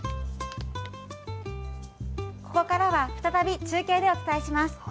ここからは再び中継でお伝えします。